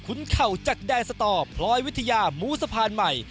เข่าจากแดนสตอพลอยวิทยาหมูสะพานใหม่